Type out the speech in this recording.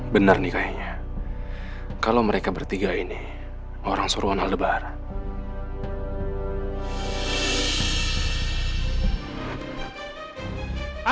bener nih kayaknya kalau mereka bertiga ini orang surwanal lebaran